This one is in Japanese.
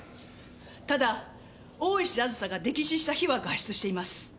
ただ大石あずさが溺死した日は外出しています。